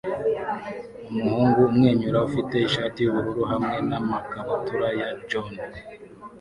Umuhungu umwenyura ufite ishati yubururu hamwe namakabutura ya john